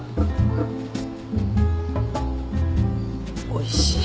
おいしい。